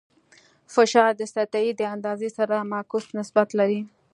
فشار د سطحې د اندازې سره معکوس نسبت لري.